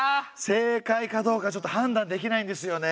正解かどうかはちょっと判断できないんですよね。